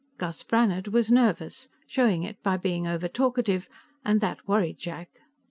Gus Brannhard was nervous, showing it by being overtalkative, and that worried Jack.